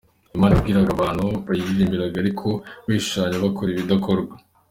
Imana yabwiraga abantu bayiririmbiraga ariko bishushanya bakora ibidakorwa.